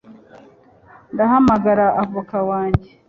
Ndahamagara avoka wanjye